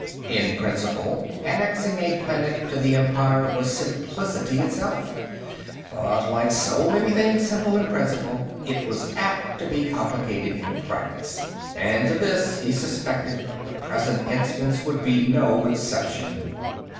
In principle, annexing a planet to the Empire was simplicity itself, but like so many things simple in principle, it was apt to be complicated in practice, and to this, he suspected, the present instance would be no exception.